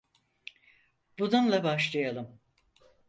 Bununla başlayalım.